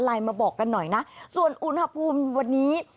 มาบอกกันหน่อยนะส่วนอุณหภูมิวันนี้